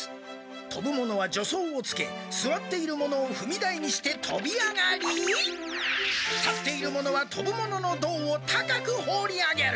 とぶ者は助走をつけすわっている者をふみ台にしてとび上がり立っている者はとぶ者のどうを高く放り上げる。